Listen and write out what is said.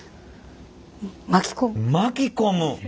巻き込む。